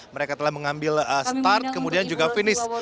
mereka telah mengambil start kemudian juga finish